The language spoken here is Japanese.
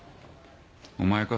お前か？